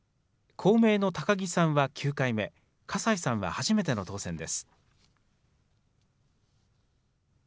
公明の高木さんは９回目、河西さんは初めての当選です。